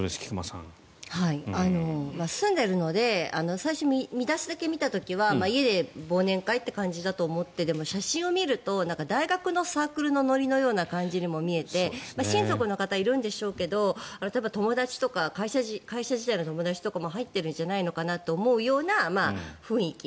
住んでいるので最初、見出しだけ見た時は家で忘年会って感じだと思ってでも写真を見ると大学のサークルのノリような感じにも見えて親族の方がいるんでしょうけど友達とか会社時代の友達とかも入ってるんじゃないのかなと思うような雰囲気。